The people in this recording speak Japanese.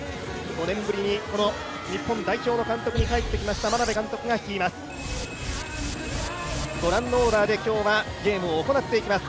５年ぶりに日本代表の監督に帰ってきました、眞鍋監督が率います。